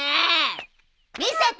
見せて！